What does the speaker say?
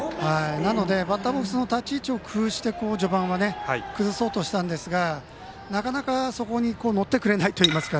なのでバッターボックスの立ち位置を工夫して序盤は、崩そうとしたんですがなかなか乗ってくれないといいますか。